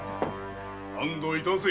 安堵いたせ。